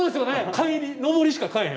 帰り上りしか買えへん俺も。